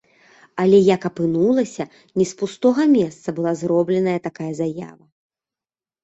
Але як апынулася, не з пустога месца была зробленая такая заява.